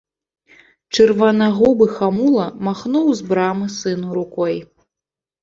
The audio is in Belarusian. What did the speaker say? Чырванагубы хамула махнуў з брамы сыну рукою.